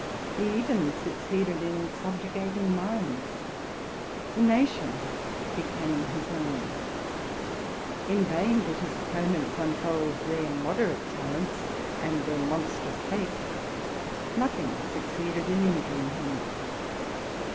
He even succeeded in subjugating minds: the nation became his own. In vain did his opponents unfold their moderate talents and their monstrous hate: nothing succeeded in injuring him.